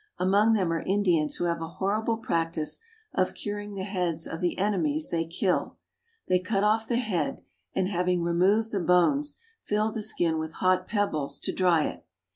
Among them are Indians who have a horrible practice of curing the heads of the ene mies they kill. They cut off the head and, having removed the bones, fill the skin with hot pebbles to dry it.